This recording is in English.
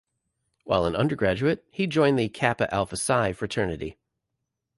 While an undergraduate, he joined the Kappa Alpha Psi Fraternity.